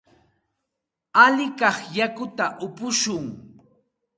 Alikay yakuta upushun.